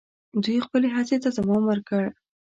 دوی خپلي هڅي ته دوم ورکړ.